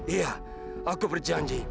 iya aku berjanji